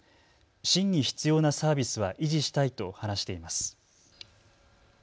真に必要なサービスは維持したいと話しています。